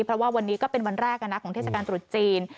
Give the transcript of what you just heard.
เพราะว่าวันนี้ก็เป็นวันแรกของเทศกาลตรุษจีน